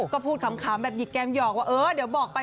ก็พูดขำแบบหยิกแก้มหยอกว่าเออเดี๋ยวบอกไป